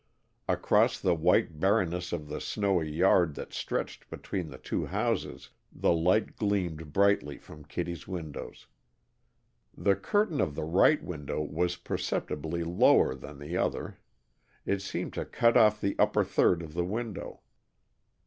Across the white barrenness of the snowy yard that stretched between the two houses, the light gleamed brightly from Kittie's windows. The curtain of the right window was perceptibly lower than the other. It seemed to cut off the upper third of the window.